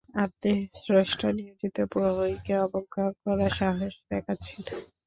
আপনি স্রষ্টার নিয়োজিত প্রহরীকে অবজ্ঞা করার সাহস দেখাচ্ছেন!